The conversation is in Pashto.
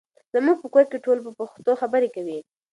زموږ په کور کې ټول په پښتو خبرې کوي.